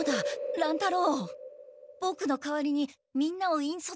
乱太郎！